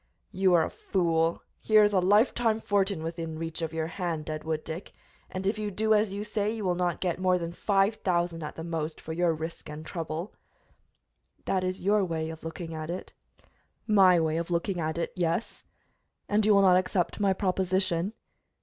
"You are a fool! Here is a life time fortune within reach of your hand, Deadwood Dick, and if you do as you say you will not get more than five thousand, at the most, for your risk and trouble." "That is your way of looking at it." "My way of looking at it, yes." "And you will not accept my proposition?"